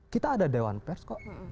kita ada dewan pers kok